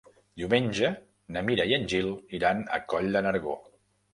Diumenge na Mira i en Gil iran a Coll de Nargó.